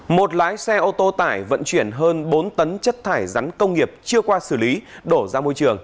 một lái xe ô tô tải vận chuyển hơn bốn tấn chất thải rắn công nghiệp chưa qua xử lý đổ ra môi trường